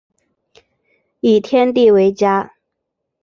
以天地为家